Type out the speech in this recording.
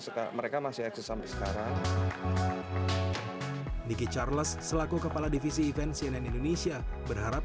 suka mereka masih eksis sampai sekarang diki charles selaku kepala divisi event cnn indonesia berharap